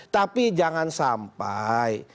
tapi jangan sampai